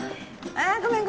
あっごめん